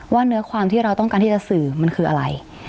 เนื้อความที่เราต้องการที่จะสื่อมันคืออะไร